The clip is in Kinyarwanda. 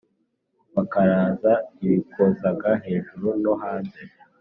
bakaraza bikozaga hejuru no hanze